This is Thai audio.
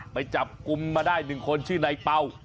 ไปจับกลุ่มมาได้หนึ่งคนชื่อไนเป่า